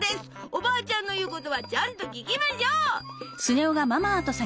おばあちゃんの言うことはちゃんと聞きましょう。